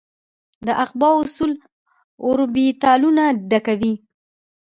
د افباؤ اصول اوربیتالونه ډکوي.